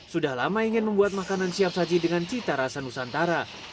sudah lama ingin membuat makanan siap saji dengan cita rasa nusantara